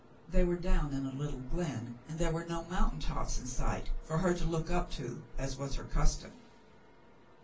They were down in a little glen, and there were no mountain tops in sight for her to look up to as was her custom.